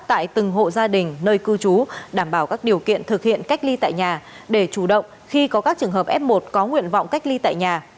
tại từng hộ gia đình nơi cư trú đảm bảo các điều kiện thực hiện cách ly tại nhà để chủ động khi có các trường hợp f một có nguyện vọng cách ly tại nhà